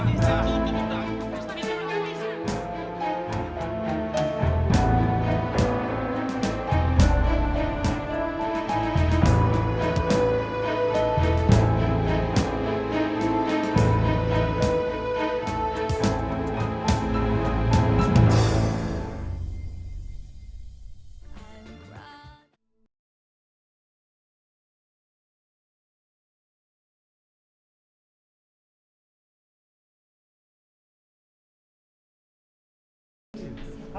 dok harus tanggung jawab